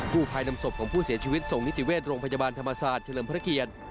ภายนำศพของผู้เสียชีวิตส่งนิติเวชโรงพยาบาลธรรมศาสตร์เฉลิมพระเกียรติ